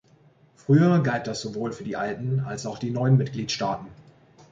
Früher galt das sowohl für die alten als auch die neuen Mitgliedstaaten.